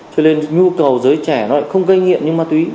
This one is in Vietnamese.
cho nên nhu cầu giới trẻ nó lại không gây nghiện nhưng ma túy